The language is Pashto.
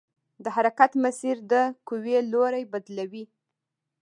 د حرکت مسیر د قوې لوری بدلوي.